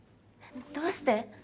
どうして？